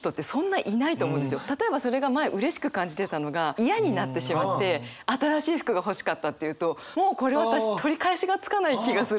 例えばそれが前うれしく感じてたのが嫌になってしまって「新しい服が欲しかった」っていうともうこれ私取り返しがつかない気がするんですね。